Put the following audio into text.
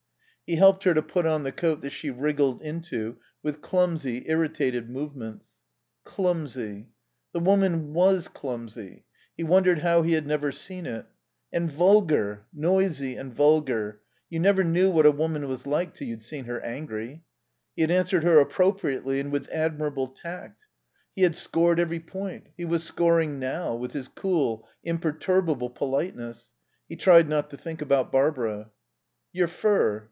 He helped her to put on the coat that she wriggled into with clumsy, irritated movements. Clumsy. The woman was clumsy. He wondered how he had never seen it. And vulgar. Noisy and vulgar. You never knew what a woman was like till you'd seen her angry. He had answered her appropriately and with admirable tact. He had scored every point; he was scoring now with his cool, imperturbable politeness. He tried not to think about Barbara. "Your fur."